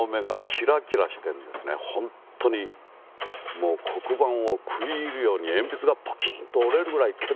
もう黒板を食い入るように鉛筆がポキンッと折れるぐらい懸命に。